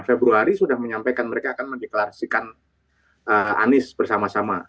februari sudah menyampaikan mereka akan mendeklarasikan anies bersama sama